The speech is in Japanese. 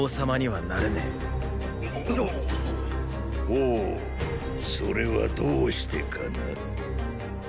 ほうそれはどうしてかな？